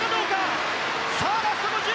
ラスト５０。